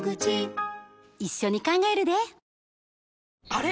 あれ？